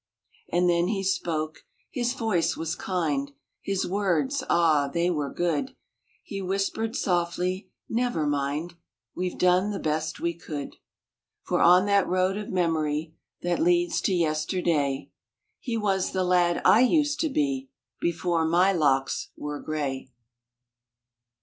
And then he spoke. His voice was kind, His words ah, they were good. He whispered softly, " Never mind We ve done the best we could !"[ 56] For on that Road of Memory, That leads to Yesterday, He was the lad I used to be Before my locks were gray